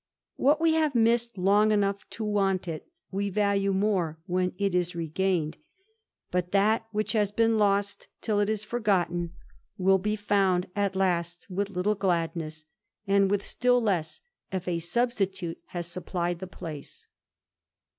What we have misse long enough to want it, we value more when it is regaine( but that which has been lost till it is forgotten, will be fou THE IDLER. 287 with little gladness, and with still less if a substitute pplied the place.